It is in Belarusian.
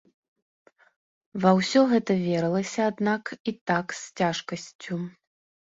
Ва ўсё гэта верылася, аднак, і так з цяжкасцю.